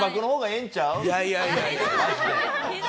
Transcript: いやいやいやいや。